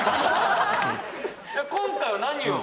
今回は何を？